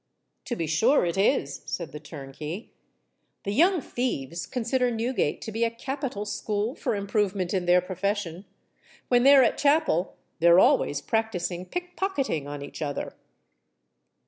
"To be sure it is," said the turnkey. "The young thieves consider Newgate to be a capital school for improvement in their profession: when they're at chapel, they're always practising pick pocketing on each other."